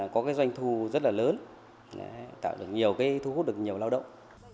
có doanh thu rất lớn thu hút được nhiều lao động